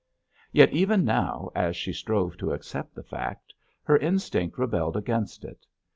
Yet, even now, as she strove to accept the fact, her instinct rebelled against it.